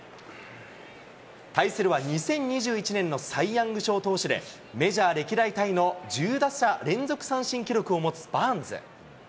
対するは２０２１年のサイ・ヤング賞投手で、メジャー歴代タイの１０打者連続三振記録を持つバーンズ。